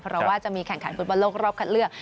เพราะว่าจะมีแข่งข่ายฝุ่นประโลกรอบขัดเลือก